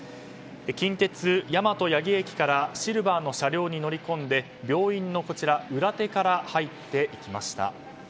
近鉄大和八木駅からシルバーの車両に乗り込んで病院の裏手から入っていきました。